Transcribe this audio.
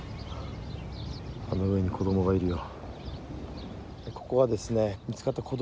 あの上に子供がいるよ。